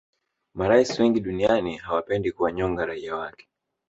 marais wengi duniani hawapendi kuwanyonga raia wake